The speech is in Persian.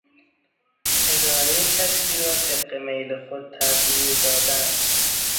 ارادهی کسی را طبق میل خود تغییر دادن